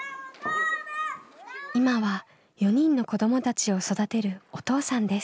今は４人の子どもたちを育てるお父さんです。